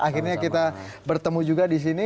akhirnya kita bertemu juga di sini